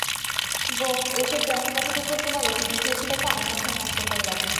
বোহ, এইসব যন্ত্রপাতির উপর তোমার অতি নির্ভরশীলতা আমার কাছে হাস্যকর লাগে।